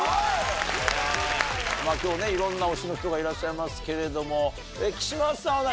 今日ねいろんな推しの人がいらっしゃいますけれども木嶋さんは何？